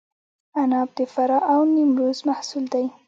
عناب د فراه او نیمروز محصول دی.